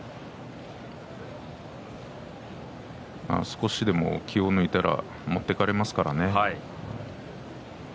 少しでも気を抜いたら持っていかれますからね。